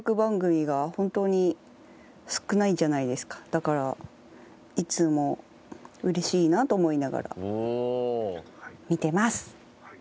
だからいつもうれしいなと思いながら見てます。